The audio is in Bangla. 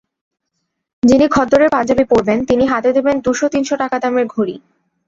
যিনি খদ্দরের পাঞ্জাবি পরবেন, তিনি হাতে দেবেন দুশ তিন শ টাকা দামের ঘড়ি।